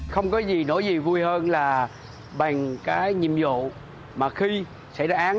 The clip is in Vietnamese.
không có gì nỗi gì vui hơn là bằng cái nhiệm vụ mà khi xảy ra án